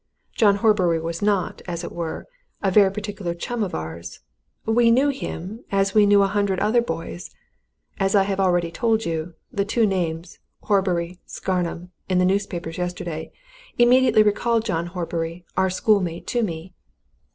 John Horbury was not, as it were, a very particular chum of ours. We knew him as we knew a hundred other boys. As I have already told you, the two names, Horbury, Scarnham, in the newspapers yesterday, immediately recalled John Horbury, our schoolmate, to me.